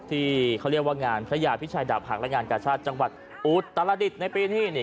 ที่เขาเรียกว่างานพระยาพิชัยดาบหักและงานกาชาติจังหวัดอุตรดิษฐ์ในปีนี้